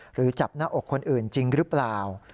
หรือจับหน้าอกคนอื่นจริงหรือเปล่า